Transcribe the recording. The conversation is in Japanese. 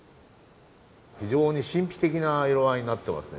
非常に神秘的な色合いになっていますね。